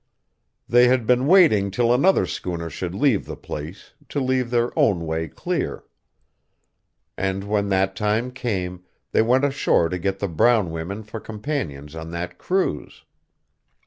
They had been waiting till another schooner should leave the place, to leave their own way clear. And when that time came, they went ashore to get the brown women for companions on that cruise.